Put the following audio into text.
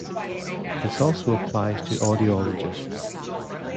This also applies to Audiologists.